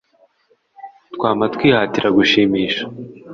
Twama twihatira gushimisha